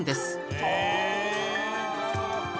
へえ！